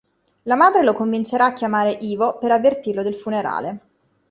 La madre lo convincerà a chiamare Ivo per avvertirlo del funerale.